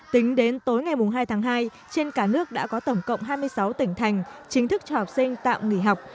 tính đến tối ngày hai tháng hai trên cả nước đã có tổng cộng hai mươi sáu tỉnh thành chính thức cho học sinh tạm nghỉ học